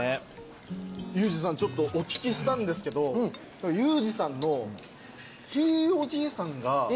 ユージさんちょっとお聞きしたんですけどユージさんの。